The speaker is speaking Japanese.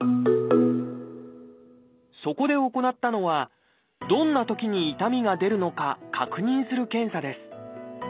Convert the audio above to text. そこで行ったのはどんなときに痛みが出るのか確認する検査です。